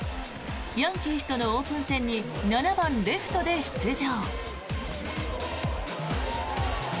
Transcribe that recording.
ヤンキースとのオープン戦に７番レフトで出場。